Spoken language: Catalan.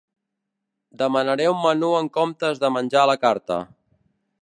Demanaré un menú en comptes de menjar a la carta.